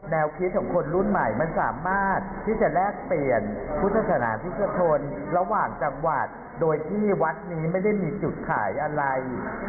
แนวคิดของคนรุ่นใหม่มันสามารถที่จะแลกเปลี่ยนพุทธศาสนาระหว่างจังหวัดโดยที่วัดนี้ไม่ได้มีจุดขายอะไร